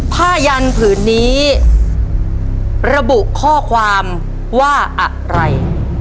ผ้ายันผืนนี้ระบุข้อความว่าอะไร